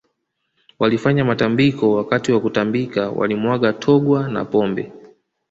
Walifanya matambiko Wakati wa kutambika walimwaga togwa na pombe